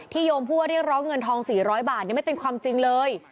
โยมพูดว่าเรียกร้องเงินทอง๔๐๐บาทไม่เป็นความจริงเลย